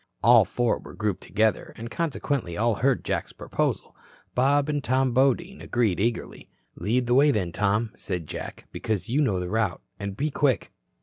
All four were grouped together, and consequently all heard Jack's proposal. Bob and Tom Bodine agreed eagerly. "Lead the way, then, Tom," said Jack, "because you know the route. And be quick."